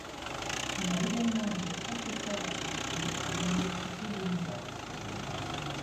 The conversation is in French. Il a également été professeur associé à l'Université de New York.